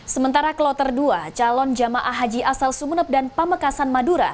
sementara kloter dua calon jamaah haji asal sumeneb dan pamekasan madura